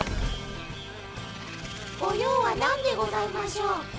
ご用は何でございましょう？